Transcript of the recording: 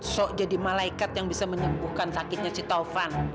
so jadi malaikat yang bisa menyembuhkan sakitnya si taufan